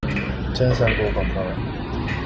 真三国广告。